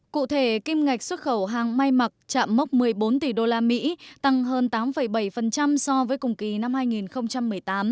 cụ thể kim ngạch xuất khẩu hàng may mặc chạm mốc một mươi bốn tỷ usd tăng hơn tám bảy so với cùng kỳ năm hai nghìn một mươi tám